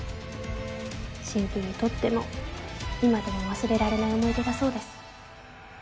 新婦にとっても今でも忘れられない思い出だそうです。